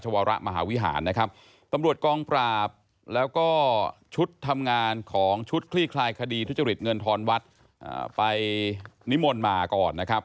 ไปนิมนต์มาก่อนนะครับ